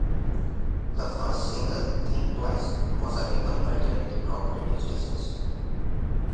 The first single, "Think Twice", was a hit on alternative rock radio stations.